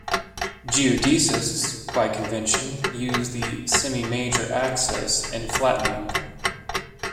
Geodesists, by convention, use the semimajor axis and flattening.